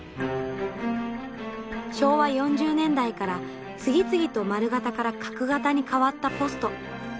昭和４０年代から次々と丸型から角型に変わったポスト。